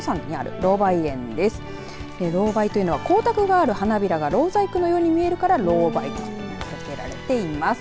ロウバイというのは光沢のある花びらがろう細工のように見えるからロウバイと名付けられています。